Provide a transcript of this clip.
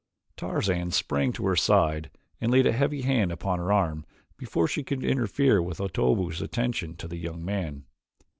Tarzan sprang to her side and laid a heavy hand upon her arm before she could interfere with Otobu's attentions to the young man.